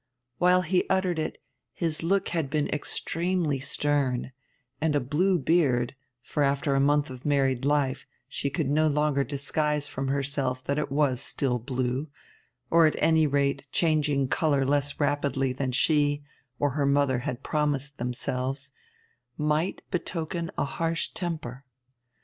While he uttered it his look had been extremely stern, and a blue beard for after a month of married life she could no longer disguise from herself that it was still blue, or at any rate changing colour less rapidly than she or her mother had promised themselves might betoken a harsh temper.